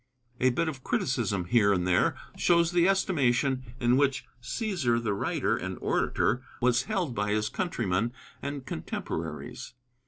A bit of criticism here and there shows the estimation in which Cæsar the writer and orator was held by his countrymen and contemporaries.